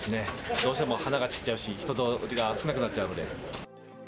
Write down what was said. どうしても花が散っちゃうし、人通りが少なくなっちゃうので。